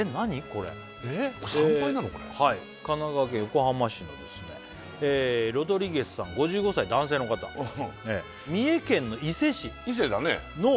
これ神奈川県横浜市のですねロドリゲスさん５５歳男性の方「三重県の伊勢市の」